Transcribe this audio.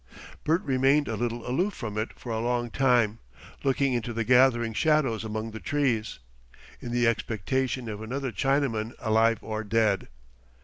Bert remained a little aloof from it for a long time, looking into the gathering shadows among the trees, in the expectation of another Chinaman alive or dead.